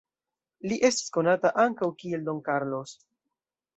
Li estis konata ankaŭ kiel Don Carlos.